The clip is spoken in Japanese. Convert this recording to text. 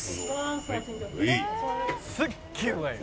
「すっげえうまいよ」